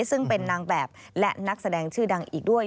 ซึ่งเป็นนางแบบและนักแสดงชื่อดังอีกด้วย